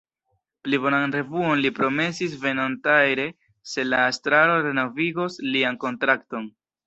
Pli bonan revuon li promesis venontjare se la estraro renovigos lian kontrakton.